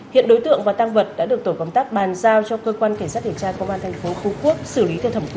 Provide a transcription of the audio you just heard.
hiện đối tượng và tăng vật đã được tổ công tác bàn giao cho cơ quan kẻ sát hiển tra công an tp phú quốc xử lý theo thẩm quyền